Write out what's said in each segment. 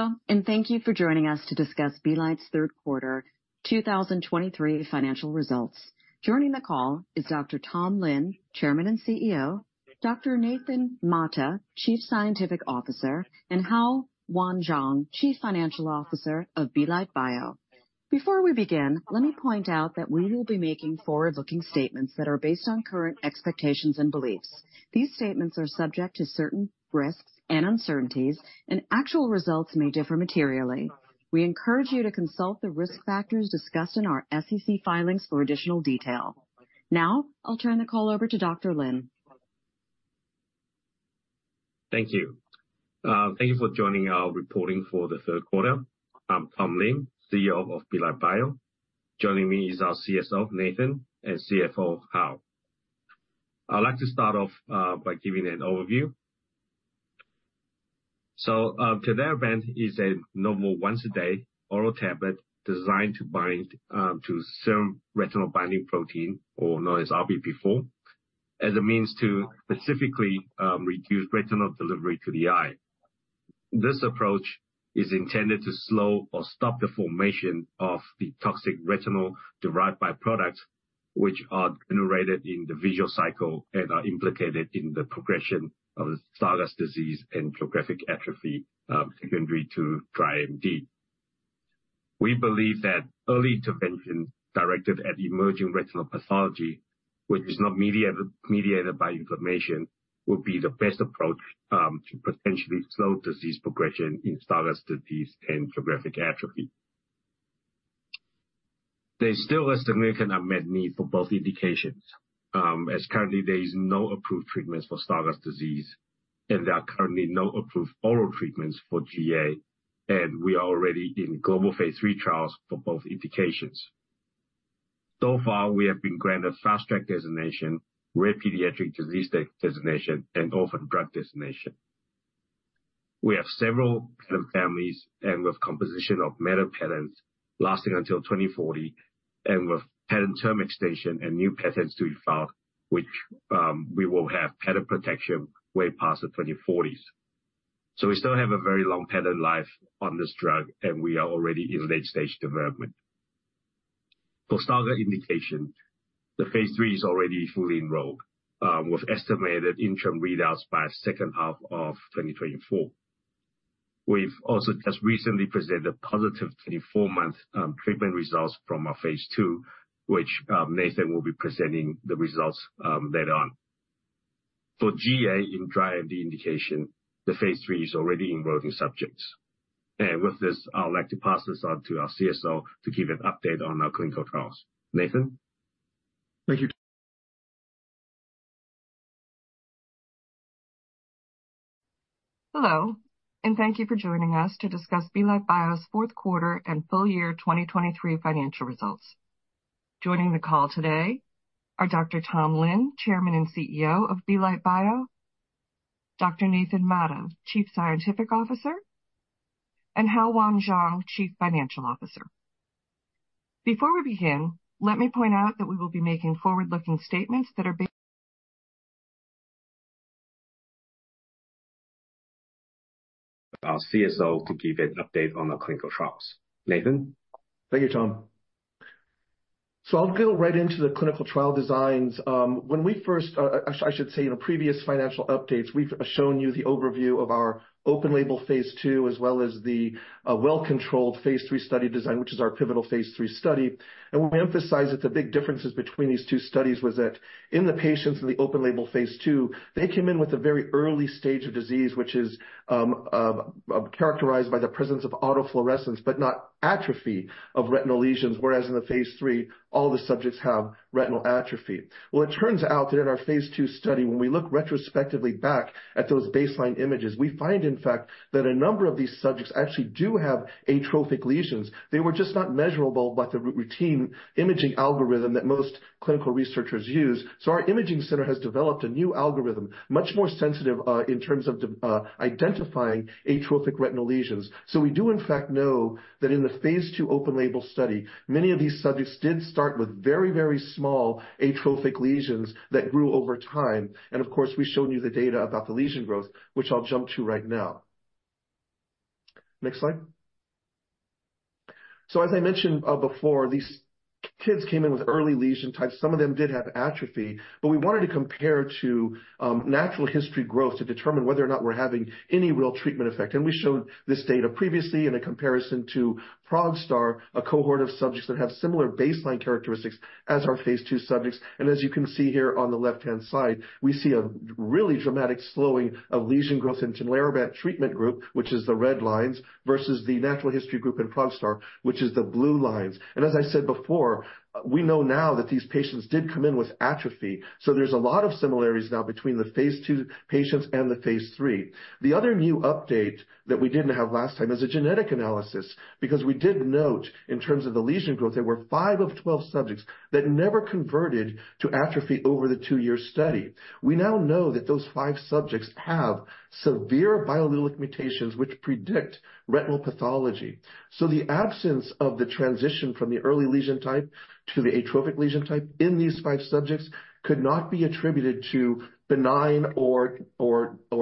Hello, and thank you for joining us to discuss Belite Bio's third quarter 2023 financial results. Joining the call is Dr. Tom Lin, Chairman and CEO, Dr. Nathan Mata, Chief Scientific Officer, and Hao-Yuan Chuang, Chief Financial Officer of Belite Bio. Before we begin, let me point out that we will be making forward-looking statements that are based on current expectations and beliefs. These statements are subject to certain risks and uncertainties, and actual results may differ materially. We encourage you to consult the risk factors discussed in our SEC filings for additional detail. Now, I'll turn the call over to Dr. Lin. Thank you. Thank you for joining our reporting for the third quarter. I'm Tom Lin, CEO of Belite Bio. Joining me is our CSO, Nathan, and CFO, Hao. I'd like to start off by giving an overview. So, Tinlarebant is a novel once-a-day oral tablet designed to bind to serum retinol binding protein, or known as RBP4, as a means to specifically reduce retinol delivery to the eye. This approach is intended to slow or stop the formation of the toxic retinol derived byproducts, which are generated in the visual cycle and are implicated in the progression of Stargardt disease and geographic atrophy secondary to dry AMD. We believe that early intervention directed at emerging retinal pathology, which is not mediated by inflammation, will be the best approach to potentially slow disease progression in Stargardt disease and geographic atrophy. There's still significant unmet need for both indications, as currently there is no approved treatments for Stargardt disease, and there are currently no approved oral treatments for GA, and we are already in global phase III trials for both indications. So far, we have been granted Fast Track Designation, Rare Pediatric Disease Designation, and Orphan Drug Designation. We have several patent families and with composition of matter patents lasting until 2040, and with patent term extension and new patents to be filed, which, we will have patent protection way past the 2040s. So we still have a very long patent life on this drug, and we are already in late-stage development. For Stargardt indication, the phase III is already fully enrolled, with estimated interim readouts by second half of 2024. We've also just recently presented positive 24-month treatment results from our phase II, which Nathan will be presenting the results later on. For GA in dry AMD indication, the phase III is already enrolling subjects. And with this, I would like to pass this on to our CSO to give an update on our clinical trials. Nathan? Thank you. Hello, and thank you for joining us to discuss Belite Bio's fourth quarter and full year 2023 financial results. Joining the call today are Dr. Tom Lin, Chairman and CEO of Belite Bio; Dr. Nathan Mata, Chief Scientific Officer; and Hao-Yuan Chuang, Chief Financial Officer. Before we begin, let me point out that we will be making forward-looking statements that are ba- Our CSO to give an update on the clinical trials. Nathan? Thank you, Tom. So I'll go right into the clinical trial designs. When we first, I should say in the previous financial updates, we've shown you the overview of our open-label phase II, as well as the well-controlled phase III study design, which is our pivotal phase III study. And we emphasized that the big differences between these two studies was that in the patients in the open-label phase II, they came in with a very early stage of disease, which is characterized by the presence of autofluorescence, but not atrophy of retinal lesions, whereas in the phase III, all the subjects have retinal atrophy. Well, it turns out that in our phase II study, when we look retrospectively back at those baseline images, we find, in fact, that a number of these subjects actually do have atrophic lesions. They were just not measurable by the routine imaging algorithm that most clinical researchers use. So our imaging center has developed a new algorithm, much more sensitive, in terms of identifying atrophic retinal lesions. So we do, in fact, know that in the phase II open label study, many of these subjects did start with very, very small atrophic lesions that grew over time. And of course, we showed you the data about the lesion growth, which I'll jump to right now. Next slide. So as I mentioned, before, these kids came in with early lesion types. Some of them did have atrophy, but we wanted to compare to natural history growth to determine whether or not we're having any real treatment effect. We showed this data previously in a comparison to ProgStar, a cohort of subjects that have similar baseline characteristics as our phase II subjects. As you can see here on the left-hand side, we see a really dramatic slowing of lesion growth in Tinlarebant treatment group, which is the red lines, versus the natural history group in ProgStar, which is the blue lines. As I said before, we know now that these patients did come in with atrophy, so there's a lot of similarities now between the phase II patients and the phase III. The other new update that we didn't have last time is a genetic analysis, because we did note, in terms of the lesion growth, there were five of 12 subjects that never converted to atrophy over the two-year study. We now know that those five subjects have severe biallelic mutations, which predict retinal pathology. So the absence of the transition from the early lesion type to the atrophic lesion type in these five subjects could not be attributed to benign or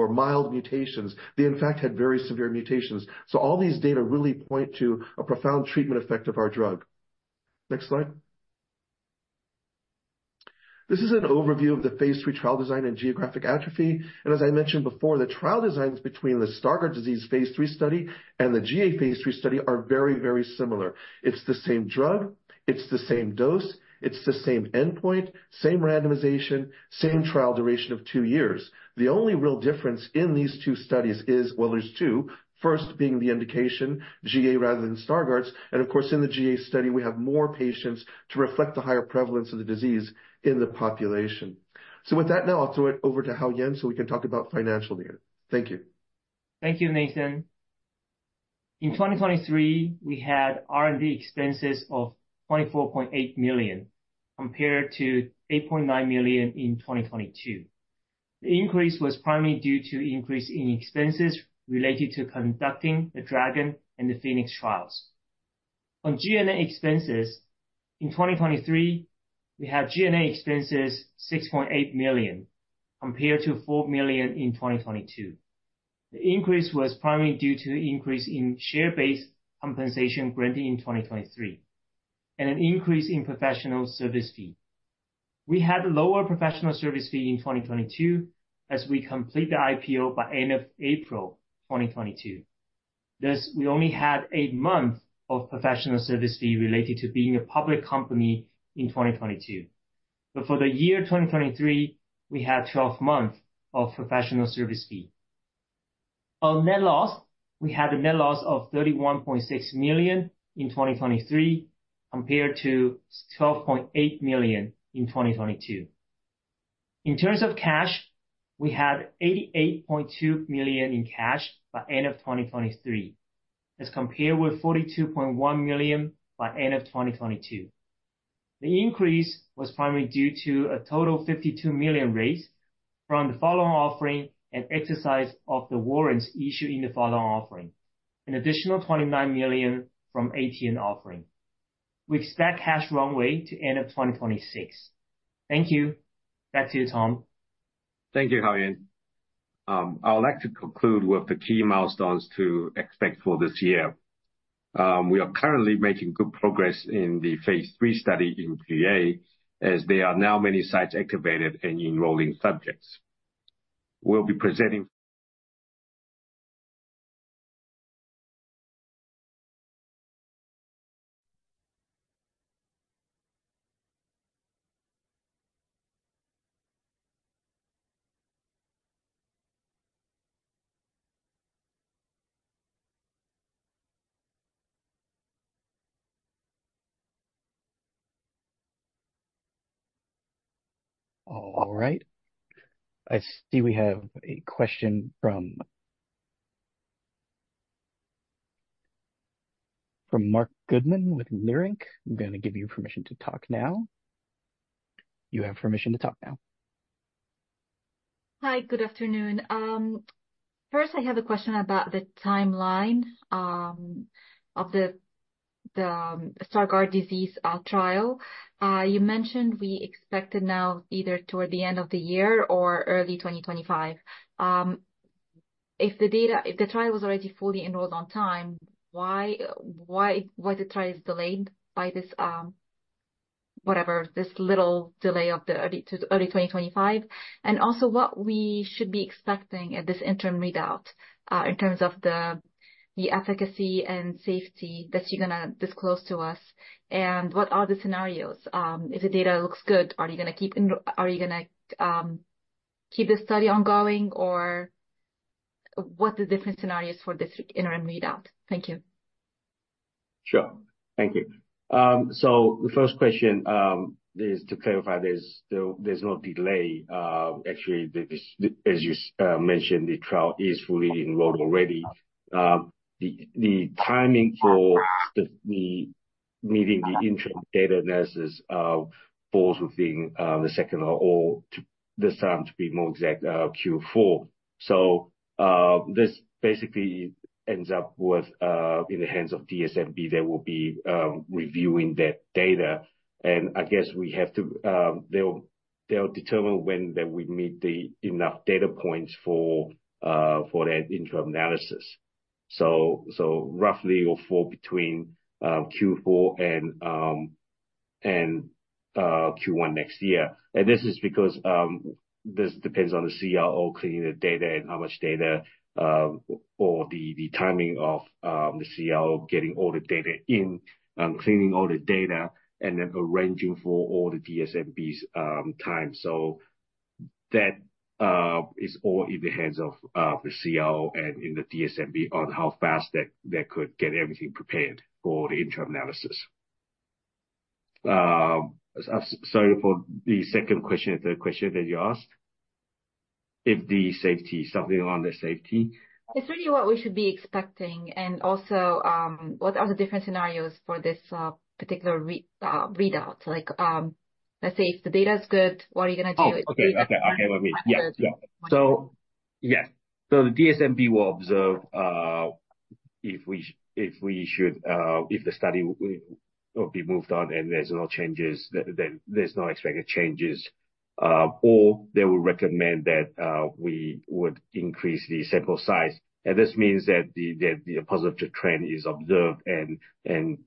mild mutations. They, in fact, had very severe mutations. So all these data really point to a profound treatment effect of our drug. Next slide. This is an overview of the phase III trial design and geographic atrophy. As I mentioned before, the trial designs between the Stargardt disease phase III study and the GA phase III study are very, very similar. It's the same drug, it's the same dose, it's the same endpoint, same randomization, same trial duration of two years. The only real difference in these two studies is, well, there's two. First, being the indication, GA rather than Stargardt, and of course, in the GA study, we have more patients to reflect the higher prevalence of the disease in the population. So with that, now I'll throw it over to Hao-Yuan, so we can talk about financial year. Thank you. Thank you, Nathan. In 2023, we had R&D expenses of $24.8 million, compared to $8.9 million in 2022. The increase was primarily due to increase in expenses related to conducting the DRAGON and the PHOENIX trials. On G&A expenses, in 2023, we had G&A expenses $6.8 million, compared to $4 million in 2022. The increase was primarily due to increase in share-based compensation granted in 2023, and an increase in professional service fee. We had a lower professional service fee in 2022 as we complete the IPO by end of April 2022. Thus, we only had eight months of professional service fee related to being a public company in 2022. But for the year 2023, we had 12 months of professional service fee. On net loss, we had a net loss of $31.6 million in 2023, compared to $12.8 million in 2022. In terms of cash, we had $88.2 million in cash by end of 2023, as compared with $42.1 million by end of 2022. The increase was primarily due to a total of $52 million raised from the follow-on offering and exercise of the warrants issued in the follow-on offering, an additional $29 million from ATM offering, with stacked cash runway to end of 2026. Thank you. Back to you, Tom. Thank you, Hao-Yuan. I would like to conclude with the key milestones to expect for this year. We are currently making good progress in the phase III study in GA, as there are now many sites activated and enrolling subjects. We'll be presenting- All right. I see we have a question from, from Marc Goodman with Leerink. I'm gonna give you permission to talk now. You have permission to talk now. Hi, good afternoon. First, I have a question about the timeline of the Stargardt disease trial. You mentioned we expected now either toward the end of the year or early 2025. If the trial was already fully enrolled on time, why the trial is delayed by this whatever, this little delay to early 2025? And also, what we should be expecting at this interim readout in terms of the efficacy and safety that you're gonna disclose to us, and what are the scenarios? If the data looks good, are you gonna keep the study ongoing, or what are the different scenarios for this interim readout? Thank you. Sure. Thank you. So the first question is to clarify, there's no, there's no delay. Actually, this, as you mentioned, the trial is fully enrolled already. The timing for the meeting, the interim data analysis, falls within the second or half or this time, to be more exact, Q4. So this basically ends up with in the hands of DSMB. They will be reviewing that data, and I guess they'll, they'll determine when they will meet the enough data points for for that interim analysis. So so roughly or for between Q4 and and Q1 next year. This is because this depends on the CRO cleaning the data and how much data, or the timing of the CRO getting all the data in, and cleaning all the data, and then arranging for all the DSMB's time. So that is all in the hands of the CRO and in the DSMB on how fast they could get everything prepared for the interim analysis. Sorry, for the second question, the question that you asked. If the safety, something around the safety? Just really what we should be expecting, and also, what are the different scenarios for this particular readout? Like, let's say if the data is good, what are you gonna do? So the DSMB will observe if we should, if the study will be moved on and there's no changes, then there's no expected changes, or they will recommend that we would increase the sample size. And this means that the positive trend is observed and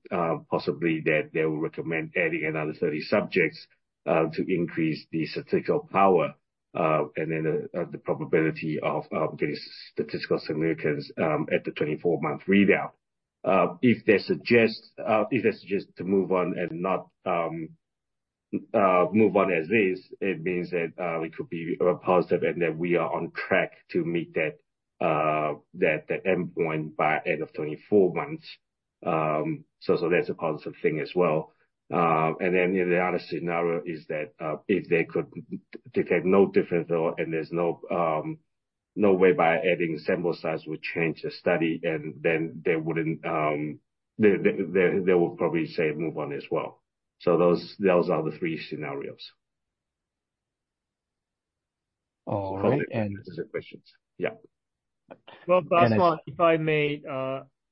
possibly that they will recommend adding another 30 subjects to increase the statistical power and then the probability of getting statistical significance at the 24-month readout. If they suggest to move on and not move on as is, it means that we could be positive and that we are on track to meet that endpoint by end of 24 months. So, that's a positive thing as well. And then the other scenario is that, if they could detect no difference at all, and there's no way by adding sample size would change the study, and then they wouldn't, they will probably say move on as well. So those are the three scenarios. All right, and- Answer the questions. Yeah. Well, last one, if I may,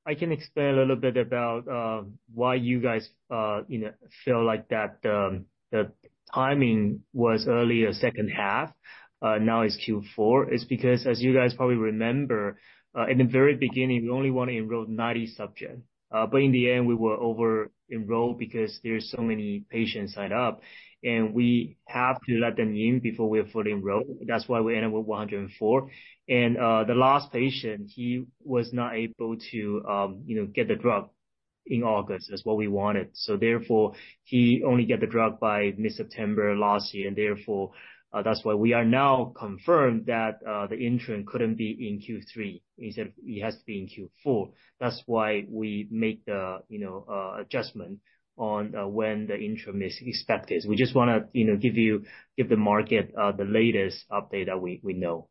I can explain a little bit about, why you guys, you know, feel like that, the timing was early as second half, now it's Q4. It's because, as you guys probably remember, in the very beginning, we only want to enroll 90 subjects. But in the end, we were over-enrolled because there are so many patients signed up, and we have to let them in before we are fully enrolled. That's why we ended with 104. And, the last patient, he was not able to, you know, get the drug in August, as what we wanted. So therefore, he only get the drug by mid-September last year, and therefore, that's why we are now confirmed that, the interim couldn't be in Q3. He said it has to be in Q4. That's why we made the, you know, adjustment on when the interim is expected. We just wanna, you know, give you, give the market the latest update that we, we know.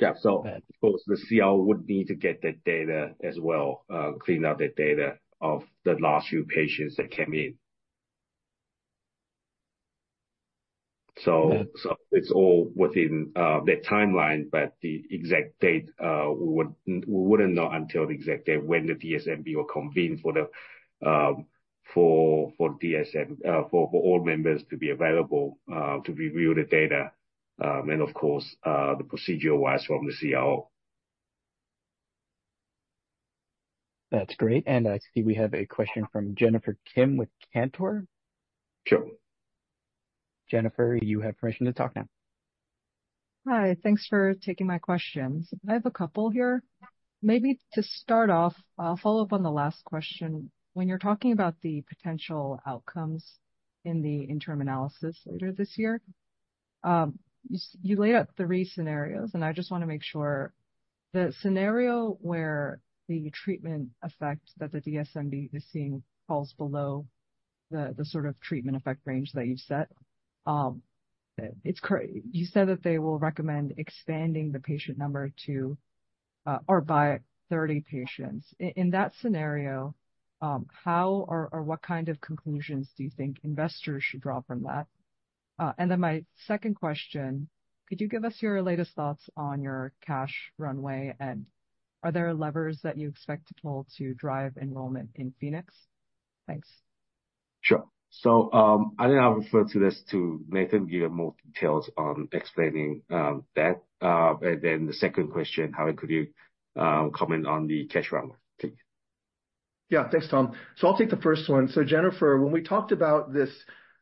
Yeah. So of course, the CRO would need to get that data as well, clean up the data of the last few patients that came in. So it's all within the timeline, but the exact date we wouldn't know until the exact date when the DSMB will convene for all members to be available to review the data. And of course, the procedure-wise from the CRO. That's great. I see we have a question from Jennifer Kim with Cantor. Sure. Jennifer, you have permission to talk now. Hi, thanks for taking my questions. I have a couple here. Maybe to start off, I'll follow up on the last question. When you're talking about the potential outcomes in the interim analysis later this year, you laid out three scenarios, and I just want to make sure. The scenario where the treatment effect that the DSMB is seeing falls below the sort of treatment effect range that you've set, you said that they will recommend expanding the patient number to or by 30 patients. In that scenario, how or what kind of conclusions do you think investors should draw from that? And then my second question: Could you give us your latest thoughts on your cash runway, and are there levers that you expect to pull to drive enrollment in PHOENIX? Thanks. Sure. So, I think I'll refer to this to Nathan to give you more details on explaining, that. And then the second question, how could you, comment on the cash runway? Take it. Yeah, thanks, Tom. So I'll take the first one. Jennifer, when we talked about this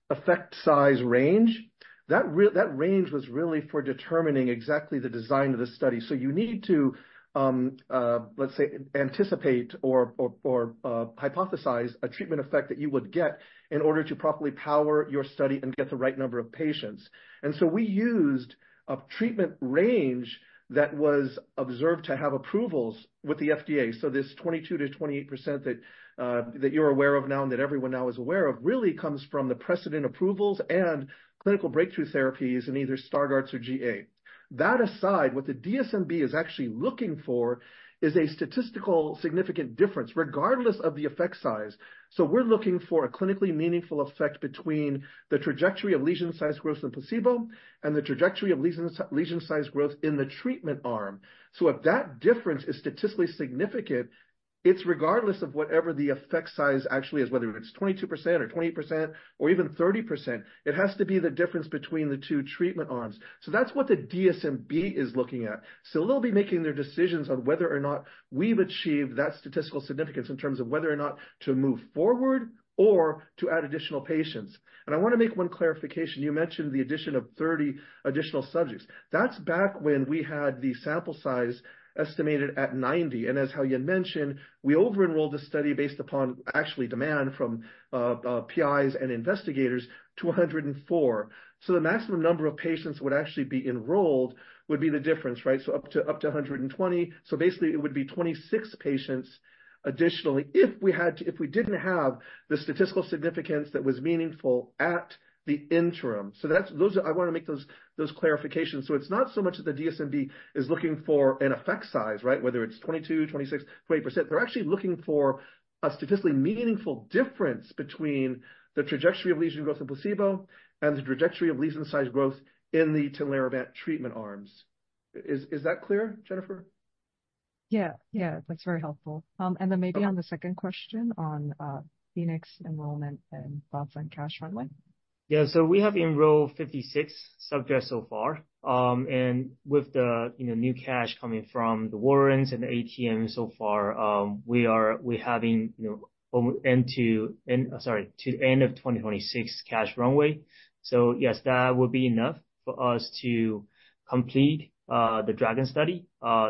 effect size range, that range was really for determining exactly the design of the study. You need to, let's say, anticipate or hypothesize a treatment effect that you would get in order to properly power your study and get the right number of patients. We used a treatment range that was observed to have approvals with the FDA. So this 22%-28% that you're aware of now and that everyone now is aware of really comes from the precedent approvals and clinical breakthrough therapies in either Stargardt's or GA. That aside, what the DSMB is actually looking for is a statistically significant difference, regardless of the effect size. So we're looking for a clinically meaningful effect between the trajectory of lesion size growth and placebo, and the trajectory of lesion size growth in the treatment arm. So if that difference is statistically significant, it's regardless of whatever the effect size actually is, whether it's 22% or 20%, or even 30%, it has to be the difference between the two treatment arms. So that's what the DSMB is looking at. So they'll be making their decisions on whether or not we've achieved that statistical significance in terms of whether or not to move forward or to add additional patients. And I want to make one clarification. You mentioned the addition of 30 additional subjects. That's back when we had the sample size estimated at 90, and as Hao-Yuan mentioned, we over-enrolled the study based upon actually demand from PIs and investigators to 104. So the maximum number of patients would actually be enrolled would be the difference, right? So up to, up to 120. So basically, it would be 26 patients additionally, if we had to, if we didn't have the statistical significance that was meaningful at the interim. So that's, those are... I want to make those, those clarifications. So it's not so much that the DSMB is looking for an effect size, right? Whether it's 22, 26, 28%. They're actually looking for a statistically meaningful difference between the trajectory of lesion growth and placebo and the trajectory of lesion size growth in the Tinlarebant treatment arms. Is, is that clear, Jennifer? Yeah, yeah, that's very helpful. And then maybe on the second question on, PHOENIX enrollment and bottom line cash runway. Yeah. So we have enrolled 56 subjects so far. And with the, you know, new cash coming from the warrants and the ATM so far, we are, we're having, you know, over into, to the end of 2026 cash runway. So yes, that will be enough for us to complete the DRAGON study,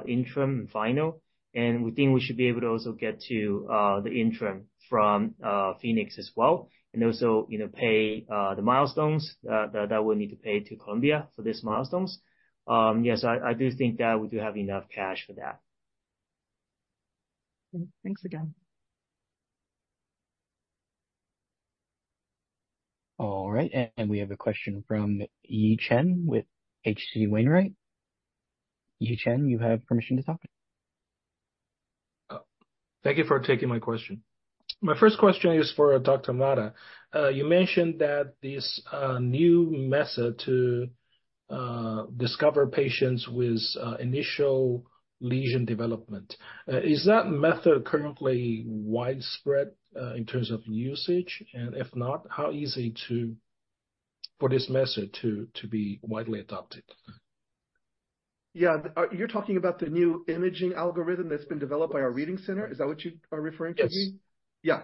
interim and final. And we think we should be able to also get to the interim from PHOENIX as well, and also, you know, pay the milestones that we need to pay to Columbia for these milestones. Yes, I do think that we do have enough cash for that. Thanks again. All right, and we have a question from Yi Chen with H.C. Wainwright. Yi Chen, you have permission to talk. Thank you for taking my question. My first question is for Dr. Mata. You mentioned that this new method to discover patients with initial lesion development. Is that method currently widespread in terms of usage? And if not, how easy for this method to be widely adopted? Yeah. You're talking about the new imaging algorithm that's been developed by our reading center? Is that what you are referring to, Yi? Yes. Yeah.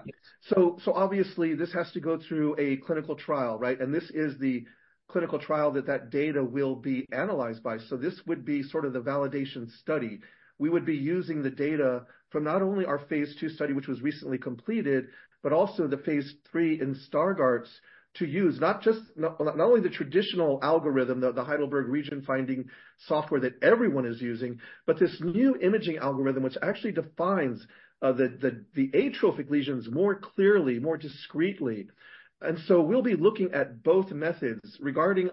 So obviously, this has to go through a clinical trial, right? And this is the clinical trial that that data will be analyzed by. So this would be sort of the validation study. We would be using the data from not only our phase II study, which was recently completed, but also the phase III in Stargardt's to use, not just, not only the traditional algorithm, the Heidelberg RegionFinder software that everyone is using, but this new imaging algorithm, which actually defines the atrophic lesions more clearly, more discretely. And so we'll be looking at both methods. Regarding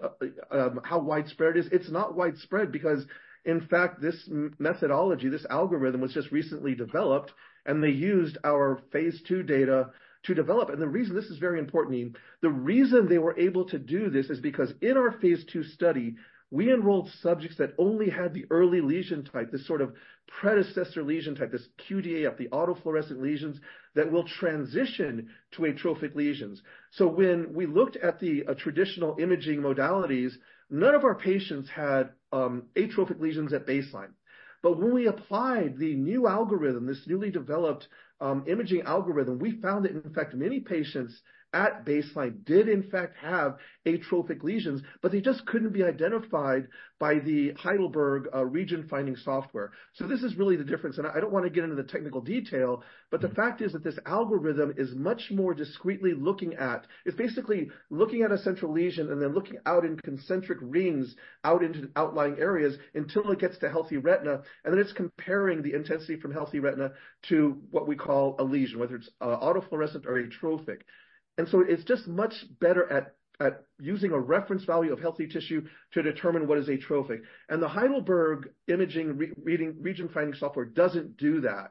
how widespread it is, it's not widespread because, in fact, this methodology, this algorithm was just recently developed, and they used our phase II data to develop. And the reason- this is very important, Yi. The reason they were able to do this is because in our phase II study, we enrolled subjects that only had the early lesion type, this sort of predecessor lesion type, this QDA of the autofluorescent lesions that will transition to atrophic lesions. So when we looked at the traditional imaging modalities, none of our patients had atrophic lesions at baseline. But when we applied the new algorithm, this newly developed imaging algorithm, we found that in fact, many patients at baseline did in fact have atrophic lesions, but they just couldn't be identified by the Heidelberg RegionFinder software. So this is really the difference, and I don't want to get into the technical detail, but the fact is that this algorithm is much more discretely looking at, it's basically looking at a central lesion and then looking out in concentric rings, out into the outlying areas until it gets to healthy retina, and then it's comparing the intensity from healthy retina to what we call a lesion, whether it's autofluorescent or atrophic. And so it's just much better at using a reference value of healthy tissue to determine what is atrophic. And the Heidelberg imaging re-reading, region finding software doesn't do that.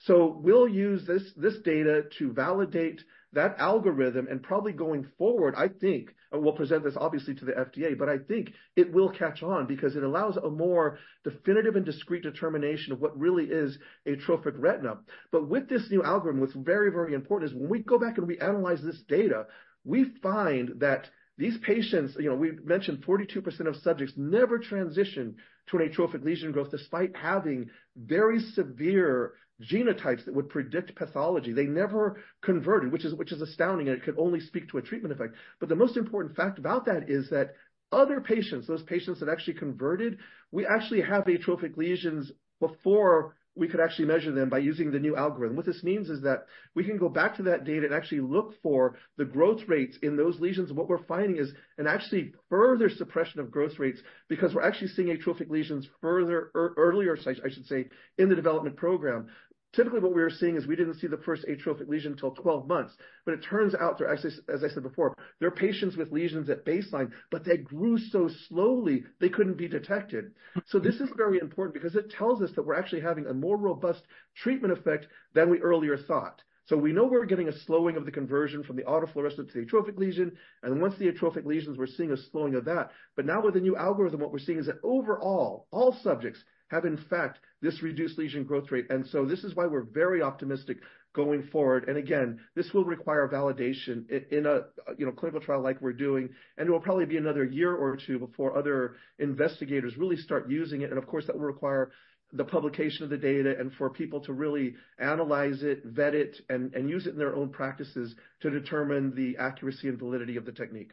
So we'll use this, this data to validate that algorithm, and probably going forward, I think, and we'll present this obviously to the FDA, but I think it will catch on because it allows a more definitive and discrete determination of what really is atrophic retina. But with this new algorithm, what's very, very important is when we go back and we analyze this data, we find that these patients, you know, we mentioned 42% of subjects never transition to an atrophic lesion growth despite having very severe genotypes that would predict pathology. They never converted, which is astounding, and it could only speak to a treatment effect. But the most important fact about that is that other patients, those patients that actually converted, we actually have atrophic lesions before we could actually measure them by using the new algorithm. What this means is that we can go back to that data and actually look for the growth rates in those lesions. What we're finding is an actually further suppression of growth rates because we're actually seeing atrophic lesions further, earlier, I should say, in the development program. Typically, what we were seeing is we didn't see the first atrophic lesion until 12 months. But it turns out there are actually, as I said before, there are patients with lesions at baseline, but they grew so slowly they couldn't be detected. So this is very important because it tells us that we're actually having a more robust treatment effect than we earlier thought. So we know we're getting a slowing of the conversion from the autofluorescent to the atrophic lesion, and once the atrophic lesions, we're seeing a slowing of that. But now with the new algorithm, what we're seeing is that overall, all subjects have, in fact, this reduced lesion growth rate. And so this is why we're very optimistic going forward. And again, this will require validation in a, you know, clinical trial like we're doing, and it will probably be another year or two before other investigators really start using it. And of course, that will require the publication of the data and for people to really analyze it, vet it, and use it in their own practices to determine the accuracy and validity of the technique.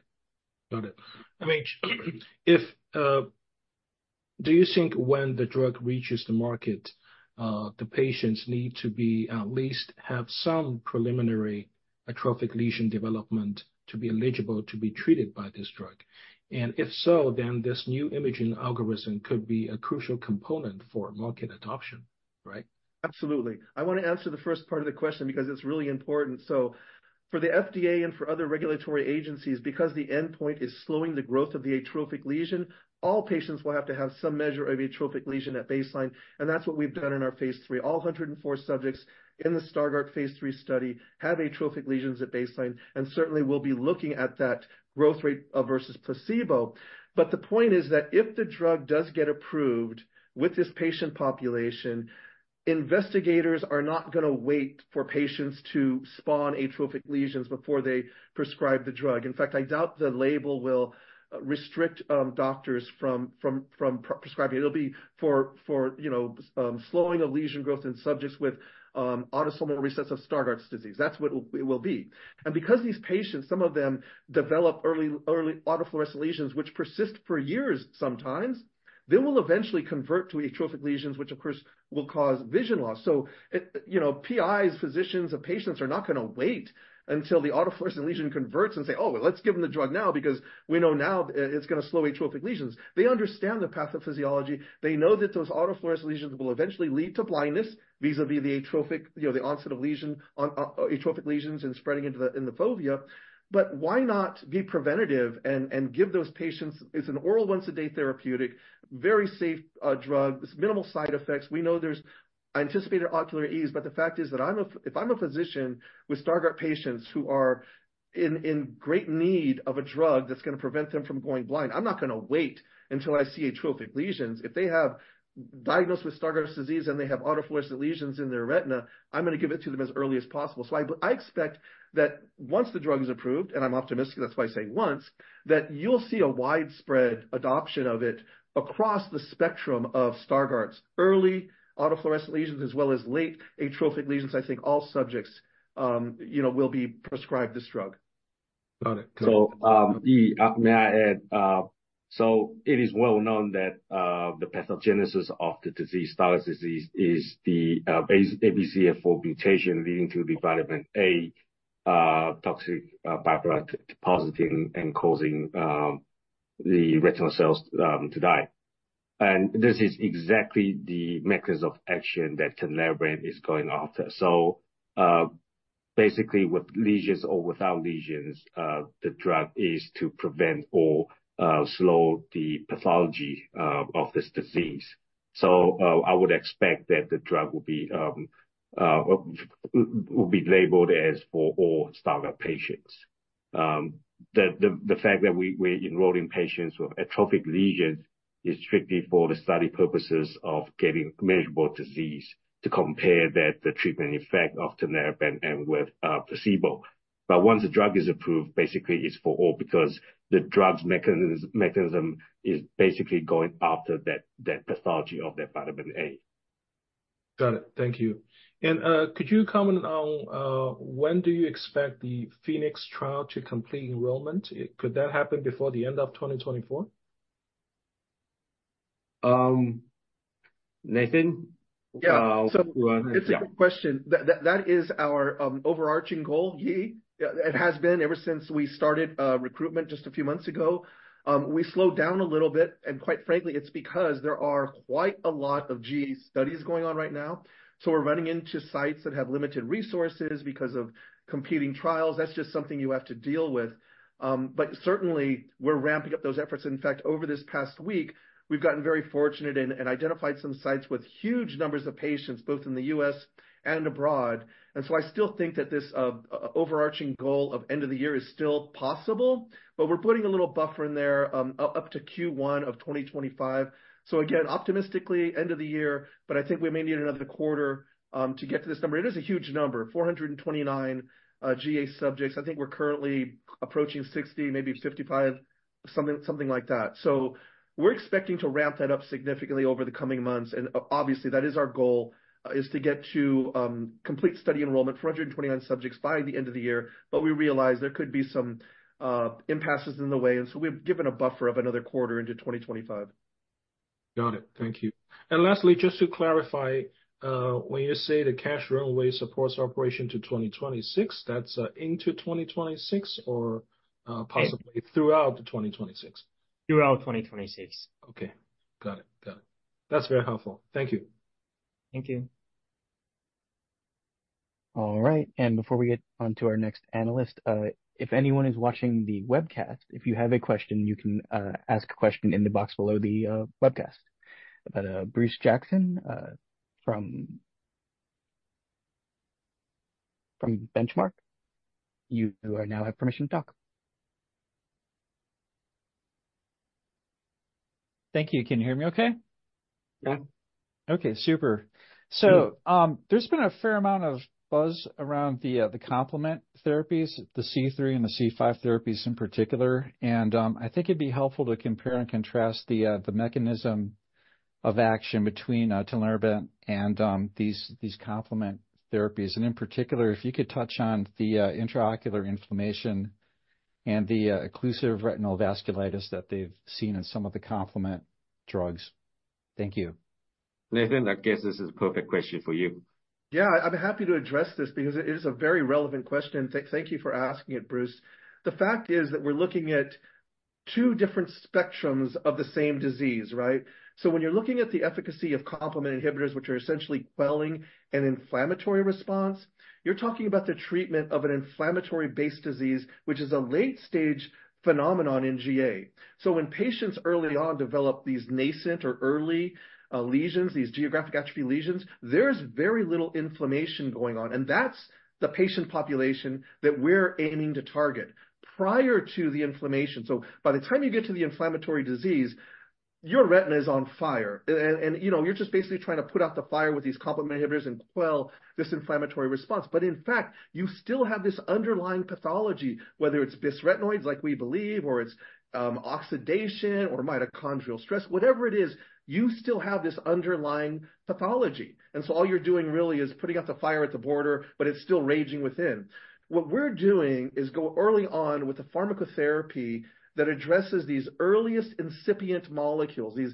Got it. I mean, if... Do you think when the drug reaches the market, the patients need to be at least have some atrophic lesion development to be eligible to be treated by this drug? And if so, then this new imaging algorithm could be a crucial component for market adoption, right? Absolutely. I want to answer the first part of the question because it's really important. So for the FDA and for other regulatory agencies, because the endpoint is slowing the growth of the atrophic lesion, all patients will have to have some measure of atrophic lesion at baseline, and that's what we've done in our phase III. All 104 subjects in the Stargardt phase III study have atrophic lesions at baseline, and certainly we'll be looking at that growth rate versus placebo. But the point is that if the drug does get approved with this patient population, investigators are not going to wait for patients to spawn atrophic lesions before they prescribe the drug. In fact, I doubt the label will restrict doctors from prescribing. It'll be for you know slowing of lesion growth in subjects with autosomal recessive Stargardt disease. That's what it will be. And because these patients, some of them develop early autofluorescent lesions, which persist for years, sometimes they will eventually convert to atrophic lesions, which of course will cause vision loss. So it you know PIs, physicians and patients are not going to wait until the autofluorescent lesion converts and say, "Oh, well, let's give them the drug now, because we know now it's going to slow atrophic lesions." They understand the pathophysiology. They know that those autofluorescent lesions will eventually lead to blindness, vis-a-vis the atrophic you know the onset of lesion on atrophic lesions and spreading into the in the fovea. But why not be preventative and give those patients. It's an oral once a day therapeutic, very safe, drug, with minimal side effects. We know there's anticipated ocular ease, but the fact is that if I'm a physician with Stargardt patients who are in great need of a drug that's going to prevent them from going blind, I'm not going to wait until I see atrophic lesions. If they have diagnosed with Stargardt's disease and they have autofluorescent lesions in their retina, I'm going to give it to them as early as possible. So I expect that once the drug is approved, and I'm optimistic, that's why I say once, that you'll see a widespread adoption of it across the spectrum of Stargardt's early autofluorescent lesions, as well as late atrophic lesions. I think all subjects, you know, will be prescribed this drug. Got it. So, Yi, may I add, so it is well known that the pathogenesis of the disease, Stargardt's disease, is the base ABCA4 mutation leading to the vitamin A toxic byproduct depositing and causing the retinal cells to die. And this is exactly the mechanism of action that Tinlarebant is going after. So, basically, with lesions or without lesions, the drug is to prevent or slow the pathology of this disease. So, I would expect that the drug will be labeled as for all Stargardt patients. The fact that we're enrolling patients with atrophic lesions is strictly for the study purposes of getting measurable disease to compare the treatment effect of Tinlarebant and with placebo. But once the drug is approved, basically, it's for all, because the drug's mechanism is basically going after that pathology of the vitamin A. Got it. Thank you. And, could you comment on, when do you expect the PHOENIX trial to complete enrollment? Could that happen before the end of 2024? Um, Nathan? Yeah, so it's a good question. That is our overarching goal, Yi. It has been ever since we started recruitment just a few months ago. We slowed down a little bit, and quite frankly, it's because there are quite a lot of GA studies going on right now. So we're running into sites that have limited resources because of competing trials. That's just something you have to deal with. But certainly, we're ramping up those efforts. In fact, over this past week, we've gotten very fortunate and identified some sites with huge numbers of patients, both in the U.S. and abroad. And so I still think that this overarching goal of end of the year is still possible, but we're putting a little buffer in there, up to Q1 of 2025. So again, optimistically, end of the year, but I think we may need another quarter to get to this number. It is a huge number, 429 GA subjects. I think we're currently approaching 60, maybe 55, something like that. So we're expecting to ramp that up significantly over the coming months. And obviously, that is our goal, is to get to complete study enrollment, 429 subjects, by the end of the year. But we realize there could be some impasses in the way, and so we've given a buffer of another quarter into 2025. Got it. Thank you. And lastly, just to clarify, when you say the cash runway supports operation to 2026, that's into 2026 or possibly throughout 2026? Throughout 2026. Okay, got it. Got it. That's very helpful. Thank you. Thank you. All right, and before we get on to our next analyst, if anyone is watching the webcast, if you can ask a question in the box below the webcast. But, Bruce Jackson from Benchmark, you now have permission to talk. Thank you. Can you hear me okay? Yeah. Okay, super. So, there's been a fair amount of buzz around the, the complement therapies, the C3 and the C5 therapies in particular. And, I think it'd be helpful to compare and contrast the, the mechanism of action between, Tinlarebant and, these, these complement therapies. And in particular, if you could touch on the, intraocular inflammation and the, occlusive retinal vasculitis that they've seen in some of the complement drugs. Thank you. Nathan, I guess this is a perfect question for you. Yeah, I'd be happy to address this because it is a very relevant question, and thank you for asking it, Bruce. The fact is that we're looking at two different spectrums of the same disease, right? So when you're looking at the efficacy of complement inhibitors, which are essentially quelling an inflammatory response, you're talking about the treatment of an inflammatory-based disease, which is a late-stage phenomenon in GA. So when patients early on develop these nascent or early lesions, these geographic atrophy lesions, there's very little inflammation going on, and that's the patient population that we're aiming to target prior to the inflammation. So by the time you get to the inflammatory disease, your retina is on fire, and, you know, you're just basically trying to put out the fire with these complement inhibitors and quell this inflammatory response. But in fact, you still have this underlying pathology, whether it's bisretinoids, like we believe, or it's oxidation or mitochondrial stress. Whatever it is, you still have this underlying pathology, and so all you're doing really is putting out the fire at the border, but it's still raging within. What we're doing is go early on with a pharmacotherapy that addresses these earliest incipient molecules, these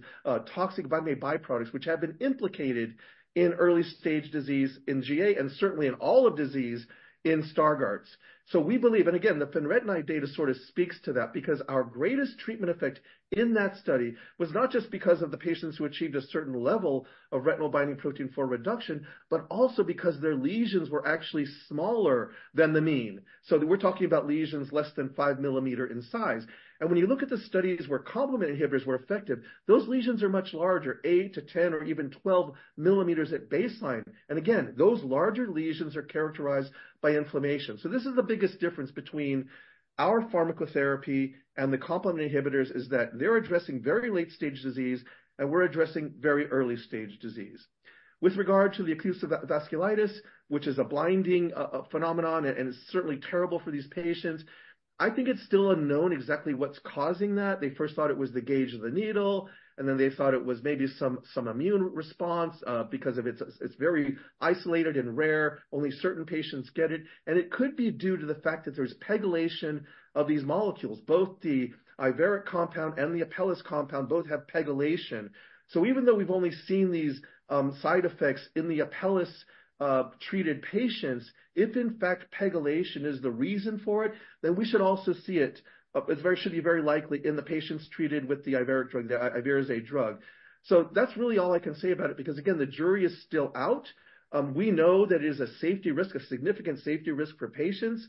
toxic bisretinoid byproducts, which have been implicated in early stage disease in GA, and certainly in all of disease in Stargardt's. So we believe, and again, the fenretinide data sort of speaks to that, because our greatest treatment effect in that study was not just because of the patients who achieved a certain level of retinol binding protein 4 reduction, but also because their lesions were actually smaller than the mean. So we're talking about lesions less than 5 mm in size. When you look at the studies where complement inhibitors were effective, those lesions are much larger, 8-10 or even 12 millimeters at baseline. Again, those larger lesions are characterized by inflammation. So this is the biggest difference between our pharmacotherapy and the complement inhibitors, is that they're addressing very late-stage disease, and we're addressing very early-stage disease. With regard to the occlusive vasculitis, which is a blinding phenomenon, and it's certainly terrible for these patients, I think it's still unknown exactly what's causing that. They first thought it was the gauge of the needle, and then they thought it was maybe some immune response because it's very isolated and rare. Only certain patients get it. It could be due to the fact that there's pegylation of these molecules. Both the Iveric compound and the Apellis compound both have pegylation. So even though we've only seen these, side effects in the Apellis, treated patients, if in fact pegylation is the reason for it, then we should also see it, it should be very likely in the patients treated with the Iveric drug, the Iveric drug. So that's really all I can say about it, because, again, the jury is still out. We know that it is a safety risk, a significant safety risk for patients,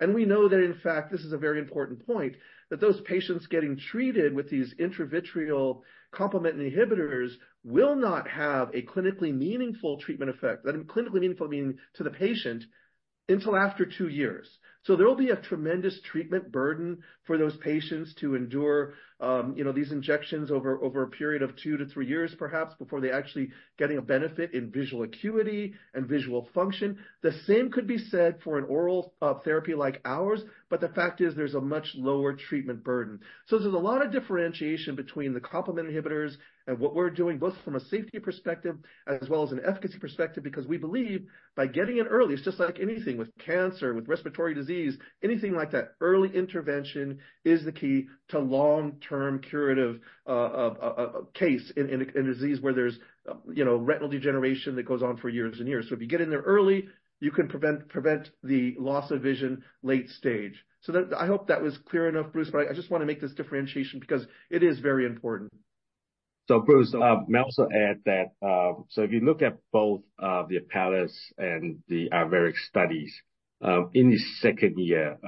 and we know that, in fact, this is a very important point, that those patients getting treated with these intravitreal complement inhibitors will not have a clinically meaningful treatment effect, and clinically meaningful, meaning to the patient, until after two years. So there will be a tremendous treatment burden for those patients to endure, you know, these injections over a period of two to three years, perhaps, before they're actually getting a benefit in visual acuity and visual function. The same could be said for an oral therapy like ours, but the fact is, there's a much lower treatment burden. So there's a lot of differentiation between the complement inhibitors and what we're doing, both from a safety perspective as well as an efficacy perspective, because we believe by getting in early, it's just like anything, with cancer, with respiratory disease, anything like that, early intervention is the key to long-term curative case in a disease where there's, you know, retinal degeneration that goes on for years and years. So if you get in there early, you can prevent, prevent the loss of vision late stage. So that... I hope that was clear enough, Bruce, but I just want to make this differentiation because it is very important. So, Bruce, may I also add that, so if you look at both, the Apellis and the Iveric studies, in the second year,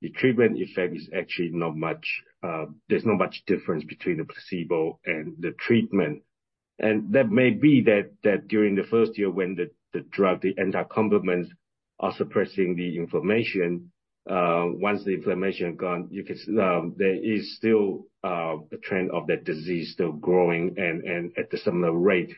the treatment effect is actually not much, there's not much difference between the placebo and the treatment. And that may be that, that during the first year, when the, the drug, the anticomplement, are suppressing the inflammation, once the inflammation is gone, you can, there is still, a trend of that disease still growing and, and at a similar rate.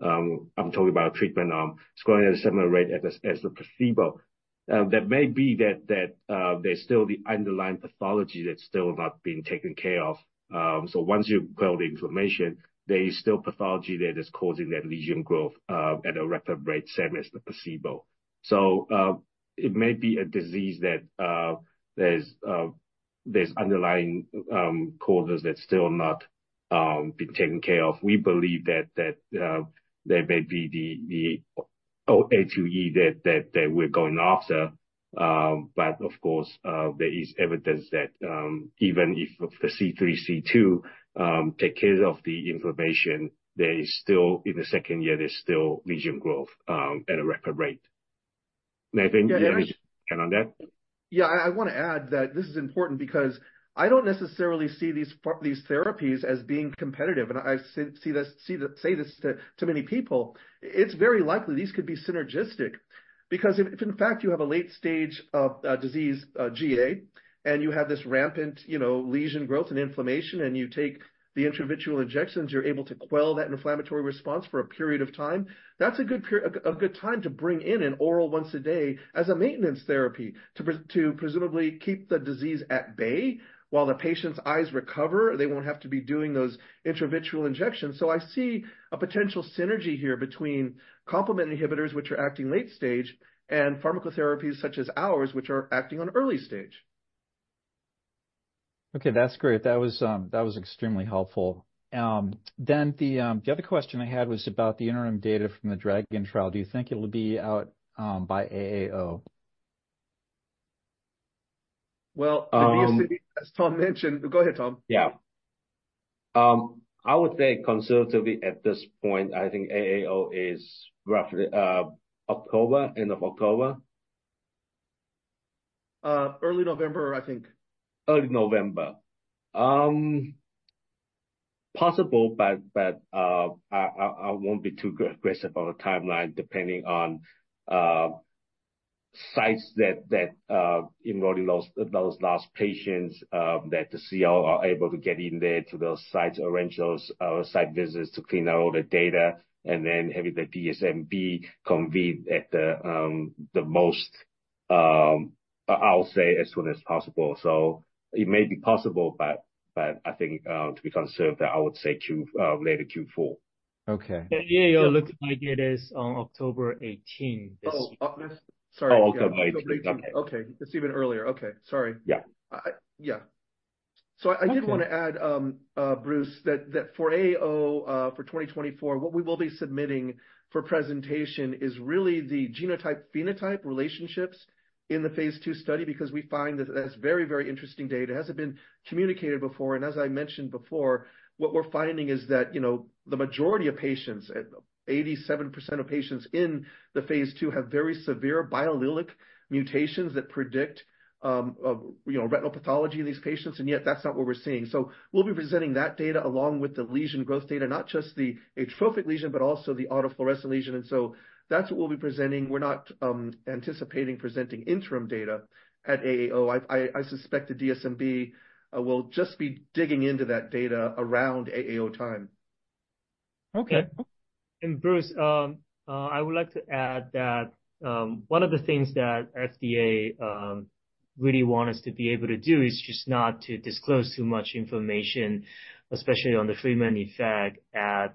I'm talking about treatment, it's growing at a similar rate as the, as the placebo. That may be that, that, there's still the underlying pathology that's still not being taken care of. So once you quell the inflammation, there is still pathology there that's causing that lesion growth at a rapid rate, same as the placebo. So, it may be a disease that there's underlying causes that's still not being taken care of. We believe that there may be the A2E that we're going after, but of course, there is evidence that even if the C3, C5 take care of the inflammation, there is still, in the second year, there's still lesion growth at a rapid rate. Nathan, anything to add on that? Yeah, I wanna add that this is important because I don't necessarily see these therapies as being competitive, and I say this to many people. It's very likely these could be synergistic, because if in fact you have a late stage of disease, GA, and you have this rampant, you know, lesion growth and inflammation, and you take the intravitreal injections, you're able to quell that inflammatory response for a period of time, that's a good time to bring in an oral once a day as a maintenance therapy, to presumably keep the disease at bay while the patient's eyes recover. They won't have to be doing those intravitreal injections. I see a potential synergy here between complement inhibitors, which are acting late stage, and pharmacotherapies, such as ours, which are acting on early stage. Okay, that's great. That was, that was extremely helpful. Then the, the other question I had was about the interim data from the DRAGON trial. Do you think it will be out by AAO? Well, as Tom mentioned. Go ahead, Tom. Yeah. I would say conservatively at this point, I think AAO is roughly October, end of October. Early November, I think. Early November. Possible, but I won't be too aggressive on the timeline, depending on sites enrolling those last patients that the CL are able to get in there to those sites, arrange those site visits to clean out all the data, and then having the DSMB convene at the most, I'll say as soon as possible. So it may be possible, but I think to be conservative, I would say Q, later Q4. Okay. Yeah, it looks like it is on October 18th this year. Oh, sorry. Oh, October 18th. Okay, it's even earlier. Okay. Sorry. Yeah. I, yeah. So I did want to add, Bruce, that for AAO, for 2024, what we will be submitting for presentation is really the genotype, phenotype relationships in the phase II study, because we find that that's very, very interesting data. It hasn't been communicated before, and as I mentioned before, what we're finding is that, you know, the majority of patients, at 87% of patients in the phase II, have very severe biallelic mutations that predict, you know, retinal pathology in these patients, and yet that's not what we're seeing. So we'll be presenting that data along with the lesion growth data, not just the atrophic lesion, but also the autofluorescent lesion. And so that's what we'll be presenting. We're not anticipating presenting interim data at AAO. I suspect the DSMB will just be digging into that data around AAO time. Okay. And Bruce, I would like to add that, one of the things that FDA really want us to be able to do is just not to disclose too much information, especially on the treatment effect at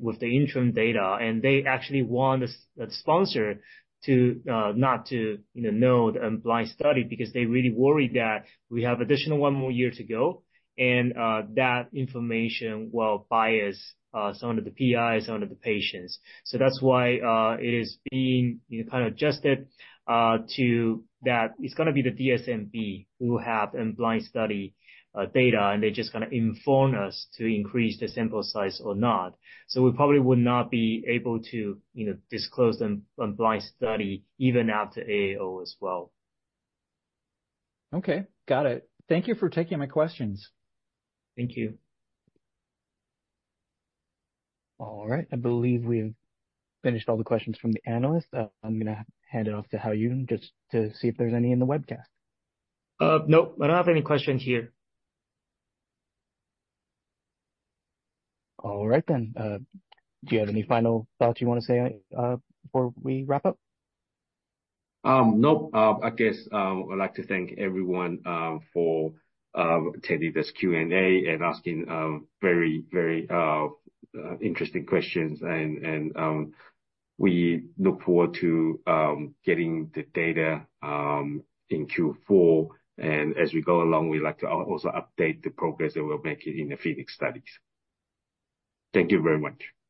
with the interim data. And they actually want us, the sponsor, to not to, you know, know the unblind study, because they really worry that we have additional one more year to go, and that information will bias some of the PIs, some of the patients. So that's why, it is being, you know, kind of adjusted to that. It's gonna be the DSMB who have unblind study data, and they're just gonna inform us to increase the sample size or not. So we probably would not be able to, you know, disclose the unblind study even after AAO as well. Okay, got it. Thank you for taking my questions. Thank you. All right. I believe we have finished all the questions from the analysts. I'm gonna hand it off to Hao-Yuan just to see if there's any in the webcast. Nope, I don't have any questions here. All right, then, do you have any final thoughts you want to say, before we wrap up? Nope. I guess I'd like to thank everyone for attending this Q&A and asking very, very interesting questions. And we look forward to getting the data in Q4. And as we go along, we'd like to also update the progress that we're making in the PHOENIX studies. Thank you very much.